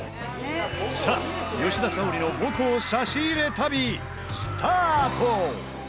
さあ吉田沙保里の母校差し入れ旅スタート！